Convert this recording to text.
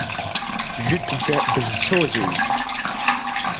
Жәытәӡа бызцозеи!